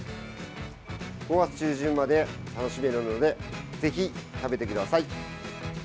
５月中旬まで楽しめるのでぜひ食べてください！